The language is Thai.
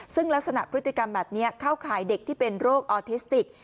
ซึ่งลักษณะพฤติกรรมแบบนี้เข้าข่ายเด็กที่เป็นโรคออทิสติก